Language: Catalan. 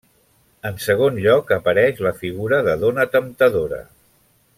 En segon lloc apareix la figura de dona temptadora.